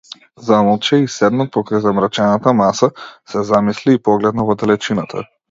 Замолче и, седнат покрај замрачената маса, се замисли и погледна во далечината.